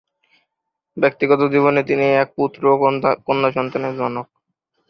ব্যক্তিগত জীবনে তিনি এক পুত্র ও কন্যা সন্তানের জনক।